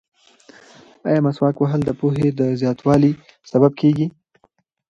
ایا مسواک وهل د پوهې د زیاتوالي سبب کیږي؟